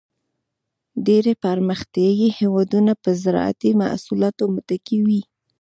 ډېری پرمختیایي هېوادونه په زراعتی محصولاتو متکی وي.